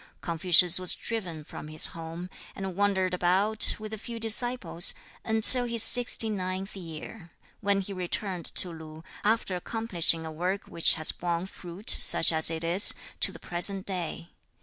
Confucius was driven from his home, and wandered about, with a few disciples, until his sixty ninth year, when he returned to Lu, after accomplishing a work which has borne fruit, such as it is, to the present day.